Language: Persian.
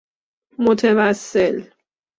متوسل